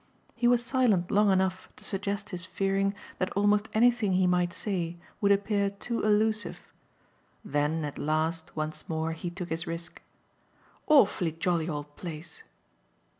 He was silent long enough to suggest his fearing that almost anything he might say would appear too allusive; then at last once more he took his risk. "Awfully jolly old place!"